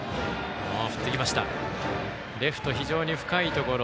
レフト、非常に深いところ。